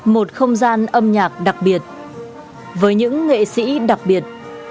một không gian âm nhạc đặc biệt với những nghệ sĩ đặc biệt